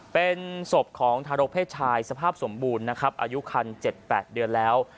เป็นศพของทารกเพศชายสภาพสมบูรณ์นะครับอายุคัน๗๘เดือนแล้ว